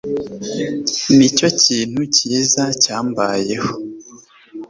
Nicyo kintu cyiza cyane cyambayeho